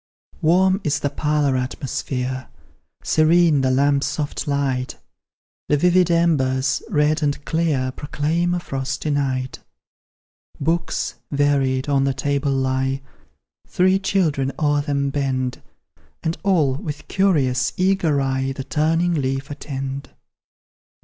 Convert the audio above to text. Warm is the parlour atmosphere, Serene the lamp's soft light; The vivid embers, red and clear, Proclaim a frosty night. Books, varied, on the table lie, Three children o'er them bend, And all, with curious, eager eye, The turning leaf attend.